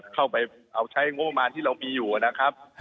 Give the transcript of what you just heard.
เข้าไปเอาใช้งบมารที่เรามีอยู่นะครับ